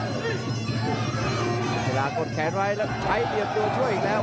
เวลากดแขนไว้แล้วใช้เหลี่ยมตัวช่วยอีกแล้ว